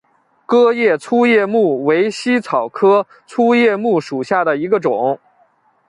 革叶粗叶木为茜草科粗叶木属下的一个种。